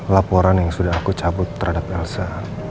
laporan yang sudah aku cabut terhadap elsa